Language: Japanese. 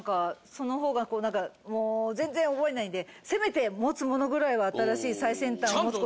その方が何かもう全然覚えないんでせめて持つ物ぐらいは新しい最先端を持つ事によって。